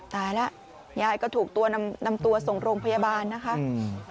ตายแล้วยายก็ถูกนำตัวส่งโรงพยาบาลนะคะ